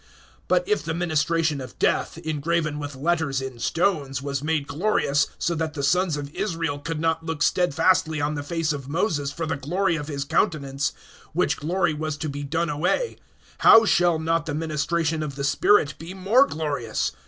(7)But if the ministration of death, engraven with letters in stones, was made glorious, so that the sons of Israel could not look steadfastly on the face of Moses for the glory of his countenance, which glory was to be done away; (8)how shall not the ministration of the spirit be more glorious?